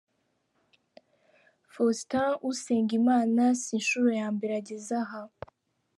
Faustin Usengimana si inshuro ya mbere ageze aha